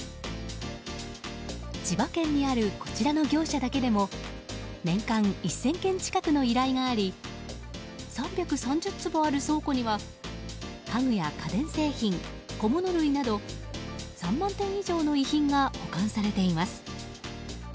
千葉県にあるこちらの業者だけでも年間１０００件近くの依頼があり３３０坪ある倉庫には家具や家電製品小物類など、３万点以上の遺品が保管されています。